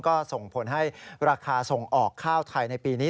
ก็ส่งผลให้ราคาส่งออกข้าวไทยในปีนี้